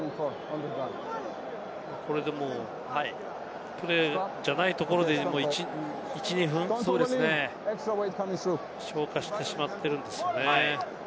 これでもうプレーじゃないところで１２分消化してしまっているんですよね。